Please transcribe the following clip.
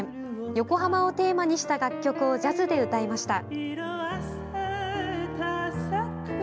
横浜をテーマにした楽曲をジャズで歌いました。